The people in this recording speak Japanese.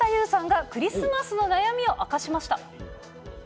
さあ、続いては城田優さんがクリスマスの悩みを明かしました。